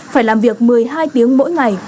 phải làm việc một mươi hai tiếng mỗi ngày